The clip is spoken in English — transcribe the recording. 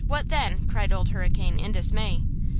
what then!" cried Old Hurricane, in dismay.